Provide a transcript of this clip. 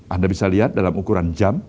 anda bisa lihat dalam ukuran jam